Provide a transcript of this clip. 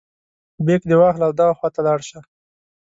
بیک دې واخله او دغه خواته لاړ شه.